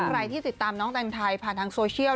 ใครที่ติดตามน้องแต่งไทยผ่านทางโซเชียล